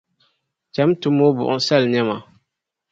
Cham’ nti mooi buɣimsal’ nɛma.